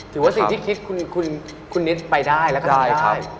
ถือว่าสิ่งที่คิดคุณนิดไปได้แล้วก็ไม่ใช่